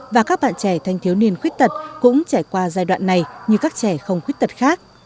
và các bạn trẻ thanh thiếu niên khuyết tật cũng trải qua giai đoạn này như các trẻ không khuyết tật khác